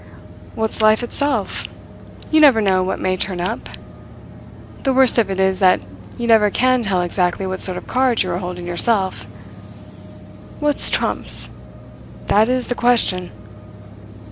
What's life itself? You never know what may turn up. The worst of it is that you never can tell exactly what sort of cards you are holding yourself. What's trumps? that is the question.